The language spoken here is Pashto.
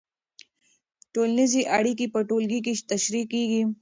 ټولنیزې اړیکې په ټولګي کې تشریح کېږي.